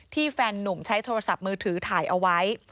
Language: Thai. แฟนนุ่มใช้โทรศัพท์มือถือถ่ายเอาไว้